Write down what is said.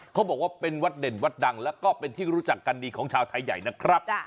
เขาบอกว่าเป็นวัดเด่นวัดดังแล้วก็เป็นที่รู้จักกันดีของชาวไทยใหญ่นะครับ